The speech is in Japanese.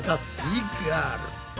イガール。